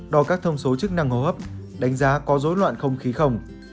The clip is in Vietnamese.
đo các thông số chức năng hô hấp đánh giá có dối loạn không khí không